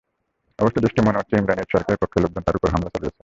অবস্থাদৃষ্টে মনে হচ্ছে, ইমরান এইচ সরকারের পক্ষের লোকজন তাঁর ওপর হামলা চালিয়েছে।